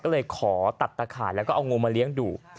ก็เลยขอตัดตะข่ายแล้วก็เอางูมาเลี้ยงดู